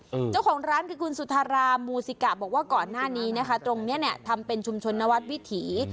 เจ้าของร้านคือคุณสุธารามูซิกะบอกว่าก่อนหน้านี้นะคะตรงเนี้ยเนี้ยทำเป็นชุมชนนวัดวิถี